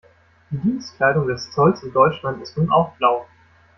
Die Dienstkleidung des Zolls in Deutschland ist nun auch blau.